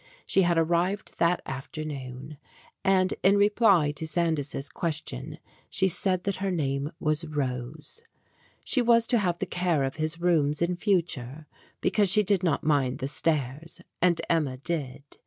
She had arrived that afternoon, and, in reply to Sandys' ques tion, she said that her name was Rose. She was to have the care of his rooms in future, because she did not mind the stairs, and Emma did.